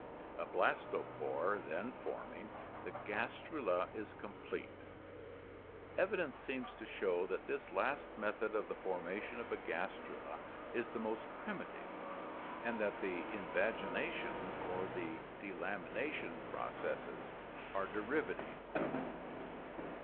A blastopore then forming, the gastrula is complete. Evidence seems to show that this last method of the formation of a gastrula is the most primitive, and that the invagination or the delamination processes are derivatives of it.